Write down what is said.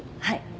はい。